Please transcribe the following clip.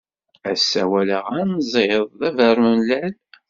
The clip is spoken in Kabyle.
Ass-a walaɣ anẓid d abermellal.